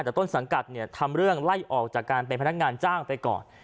แต่ต้นสังกัดเนี่ยทำเรื่องไล่ออกจากการเป็นพนักงานจ้างไปก่อน